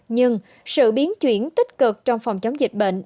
nhưng sự biến chuyển tích cực trong phòng chống dịch bệnh